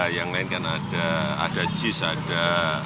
yang lain kan ada ada jis ada